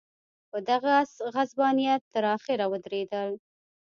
په دغه غصبانیت تر اخره ودرېدل.